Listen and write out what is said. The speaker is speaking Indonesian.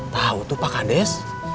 tahu tuh pak kandes